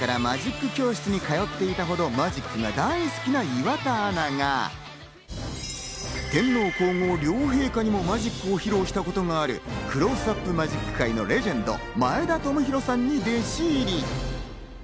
学生時代からマジック教室に通っていたほどマジックが大好きな岩田アナが、天皇皇后両陛下にもマジックを披露したことがあるマジック界のレジェンド・前田知洋さんに弟子入り。